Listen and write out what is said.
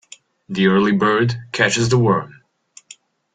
The early bird catches the worm.